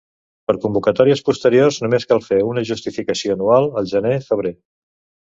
Per convocatòries posteriors només cal fer una justificació anual, al gener-febrer.